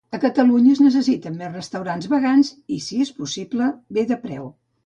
A Catalunya es necessiten més restaurants vegans i si és possible bé de preu